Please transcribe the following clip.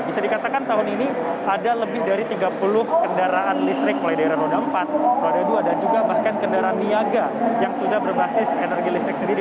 bisa dikatakan tahun ini ada lebih dari tiga puluh kendaraan listrik mulai dari roda empat roda dua dan juga bahkan kendaraan niaga yang sudah berbasis energi listrik sendiri